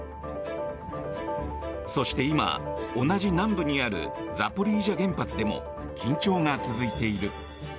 そして今、同じ南部にあるザポリージャ原発でも緊張が続いている。